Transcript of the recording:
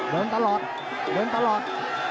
เดินตลอดเดินตลอด